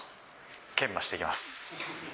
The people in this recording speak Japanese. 研磨していきます。